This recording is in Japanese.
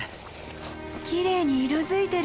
きれいに色づいてる！